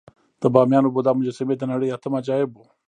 د بامیانو بودا مجسمې د نړۍ اتم عجایب وو